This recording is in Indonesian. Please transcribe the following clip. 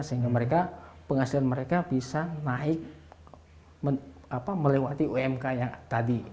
sehingga mereka penghasilan mereka bisa naik melewati umk yang tadi